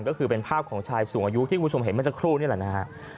ก็คือเป็นภาพของชายสูงอายุที่คุณผู้ชมเห็นเมื่อสักครู่นี่แหละนะฮะ